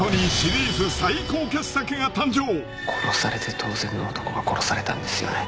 「殺されて当然の男が殺されたんですよね」